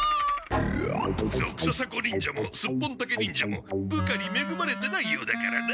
ドクササコ忍者もスッポンタケ忍者も部下にめぐまれてないようだからな。